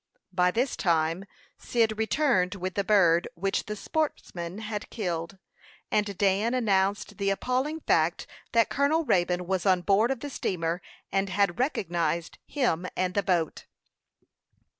By this time Cyd returned with the bird which the sportsman had killed, and Dan announced the appalling fact that Colonel Raybone was on board of the steamer, and had recognized him and the boat.